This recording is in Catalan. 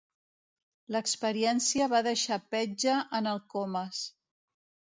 L'experiència va deixar petja en el Comas.